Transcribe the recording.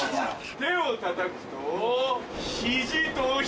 手をたたくと。